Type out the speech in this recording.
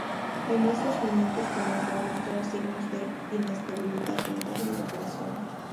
En esos momentos comenzó a mostrar signos de inestabilidad mental y depresión.